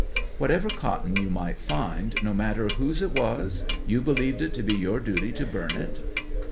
Whatever cotton you might find, no matter whose it was, you believed it to be your duty to burn it?